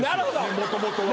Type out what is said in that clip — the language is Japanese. もともとは。